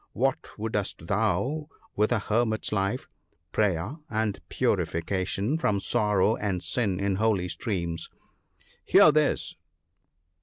What wouldst thou with a hermit's life — prayer, and purification from sorrow and sin in holy streams ? Hear this